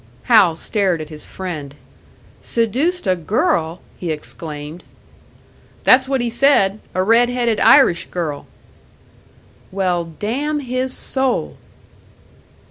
Hal stared at his friend. "Seduced a girl!" he exclaimed. "That's what he said; a red headed Irish girl." "Well, damn his soul!"